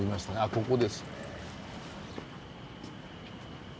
ここですね。